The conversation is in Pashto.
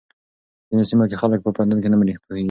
په ځينو سيمو کې خلک په پوهنتون نه پوهېږي.